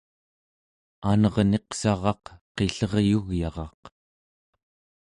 anerniqsaraq qilleryugyaraq